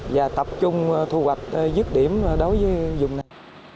và tập trung thu hoạch dứt điểm đối với dùng này